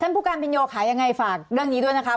ท่านผู้การประยงโยคอย่างไรฝากเรื่องนี้ด้วยนะคะ